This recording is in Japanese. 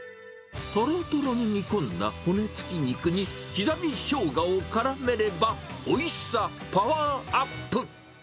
とろとろに煮込んだ骨付き肉に、刻みしょうがをからめれば、おいしさパワーアップ。